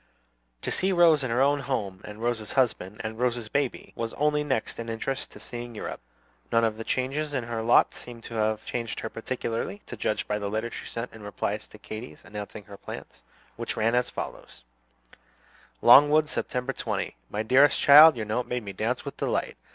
To see Rose in her own home, and Rose's husband, and Rose's baby, was only next in interest to seeing Europe. None of the changes in her lot seemed to have changed her particularly, to judge by the letter she sent in reply to Katy's announcing her plans, which letter ran as follows: "LONGWOOD, September 20. "My dearest child, Your note made me dance with delight.